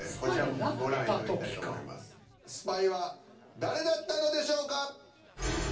スパイは誰だったのでしょうか。